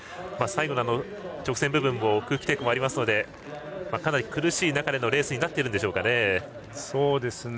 最後の直線部分は空気抵抗もありますのでかなり苦しい中でのレースになっているんでしょうかね。